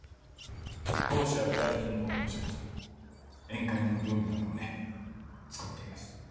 公使やご来賓のお食事宴会の料理なんかをね作っています